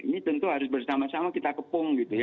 ini tentu harus bersama sama kita kepung gitu ya